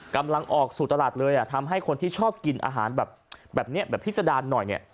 กำลังออกสู่ตลาดเลยอ่ะทำให้คนที่ชอบกินอาหารแบบแบบนี้แบบพิษดารหน่อยเนี่ย